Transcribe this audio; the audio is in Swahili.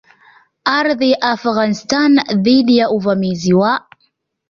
Ardhi ya Afghanistan dhidi ya uvamizi wa